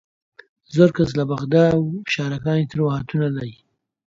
زۆر کەس لە بەغدا و شارەکانی ترەوە هاتوونە لای